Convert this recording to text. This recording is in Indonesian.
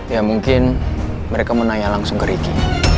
ya mungkin mereka mau nanya langsung ke ricky